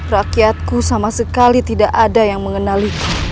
rakyatku sama sekali tidak ada yang mengenaliku